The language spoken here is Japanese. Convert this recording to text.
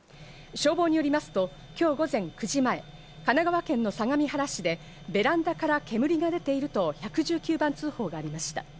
消防によりますと今日午前９時前、神奈川県の相模原市で、ベランダから煙が出ていると１１９番通報がありました。